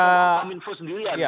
kominfo sendiri ya